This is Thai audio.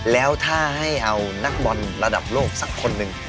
แล้วถ้าให้เอานักบอลระดับโลกสักคนหนึ่ง